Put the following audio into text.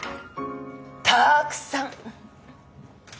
たくさん。